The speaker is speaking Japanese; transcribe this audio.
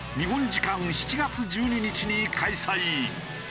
時間７月１２日に開催。